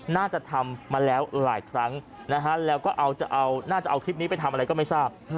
น่าจะทำมาแล้วหลายครั้งนะฮะแล้วก็น่าจะเอาคลิปนี้ไปทำอะไรก็ไม่ทราบ